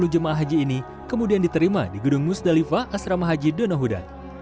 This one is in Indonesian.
tiga ratus enam puluh jemaah haji ini kemudian diterima di gedung musdalifah asrama haji donohudan